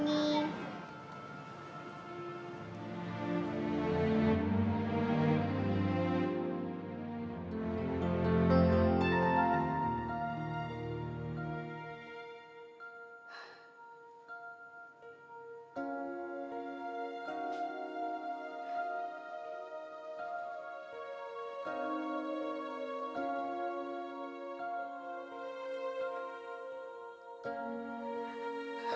nanti ibu mau pelangi